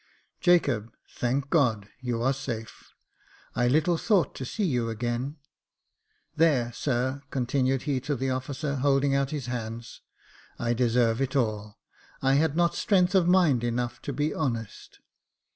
Jacob, thank God, you are safe ! I little thought to see you again. There, sir," con tinued he to the officer, holding out his hands, " I deserve it all. I had not strength of mind enough to be honest."